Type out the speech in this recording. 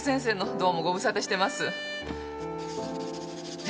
どうもご無沙汰してます。え！？